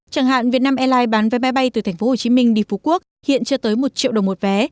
chẳng hạn việt nam airlines bán vé bay bay từ tp hcm đi phú quốc hiện chưa tới một triệu đồng một vé